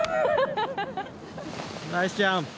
ナイスジャンプ！